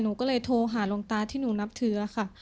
หนูก็เลยโทรหาหลวงตาที่หนูนับถือค่ะ